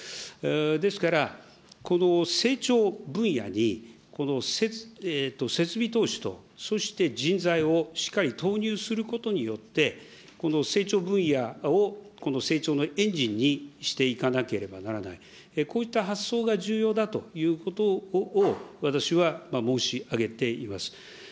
ですから、この成長分野に、この設備投資と、そして人材をしっかり投入することによって、成長分野をこの成長のエンジンにしていかなければならない、こういった発想が重要だということを、私は申し上げています。